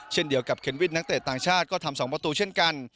เช่นเดียวกับเคนวินนักเตะต่างชาติก็ทำ๒ประตูเช่นกัน